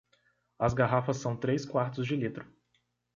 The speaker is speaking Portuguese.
As garrafas são três quartos de litro.